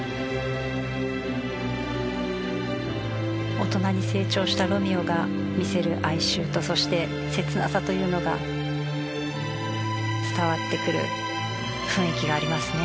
大人に成長したロミオが見せる哀愁とそして切なさというのが伝わってくる雰囲気がありますね。